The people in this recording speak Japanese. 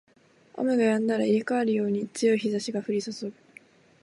雨が止んだら入れ替わるように強い日差しが降りそそぐ